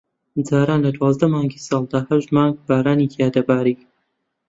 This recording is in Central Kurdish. جاران لە دوانزە مانگی ساڵدا ھەشت مانگ بارانی تیا دەباری